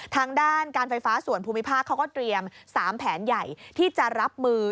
ทางด้านการไฟฟ้าส่วนภูมิภาคเขาก็เตรียม๓แผนใหญ่ที่จะรับมือ